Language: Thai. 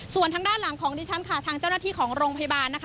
ส่วนทางด้านหลังของดิสชันเจ้าหน้าที่ครองโรงพยาบาล